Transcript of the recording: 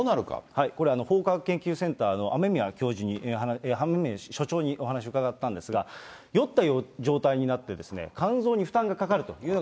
これ、法科学研究センターの雨宮所長にお話を伺ったんですが、酔った状態になって、肝臓に負担がかかる。